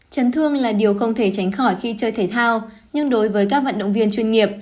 chấn thương là điều không thể tránh khỏi khi chơi thể thao nhưng đối với các vận động viên chuyên nghiệp